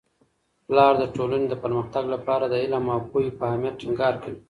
پلار د ټولنې د پرمختګ لپاره د علم او پوهې په اهمیت ټینګار کوي.